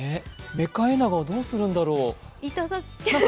メカエナガはどうするんだろう。